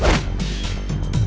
buat apa tamu